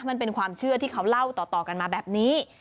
มันเป็นความเชื่อที่เขาเล่าต่อกันมาแบบนี้